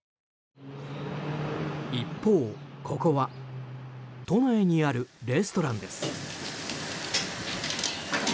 一方、ここは都内にあるレストランです。